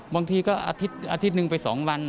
บางทีก็อาทิตย์หนึ่งไปสองวัน